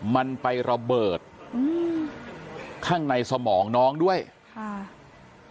มันไประเบิดอืมข้างในสมองน้องด้วยค่ะ